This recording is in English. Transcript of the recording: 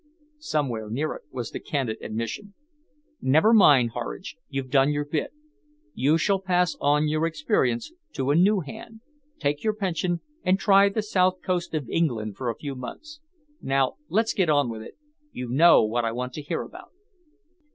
"Somewhere near it," was the candid admission. "Never mind, Horridge, you've done your bit. You shall pass on your experience to a new hand, take your pension and try the south coast of England for a few months. Now let's get on with it. You know what I want to hear about."